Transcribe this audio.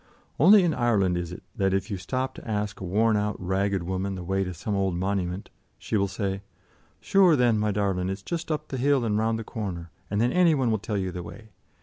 Only in Ireland is it that if you stop to ask a worn out ragged woman the way to some old monument, she will say: "Sure, then, my darlin', it's just up the hill and round the corner, and then any one will tell you the way.